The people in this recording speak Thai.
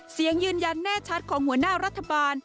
เสียงยืนยันแน่ชัดของหัวหน้ารัฐบาล